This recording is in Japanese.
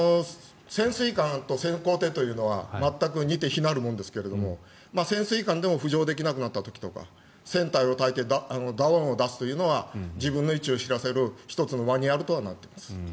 潜水艦と潜航艇というのは全く似て非なるものですが潜水艦でも浮上できなくなった時とか船体をたたいて打音を出すのは自分の位置を知らせる１つのマニュアルとなっています。